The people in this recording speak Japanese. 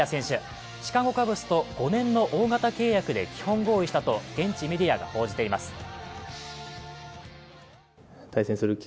シカゴ・カブスと５年の大型契約で基本合意したと現地メディアが報じています。